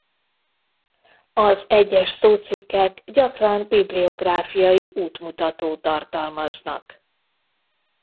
Az egyes szócikkek gyakran bibliográfiai útmutató tartalmaznak.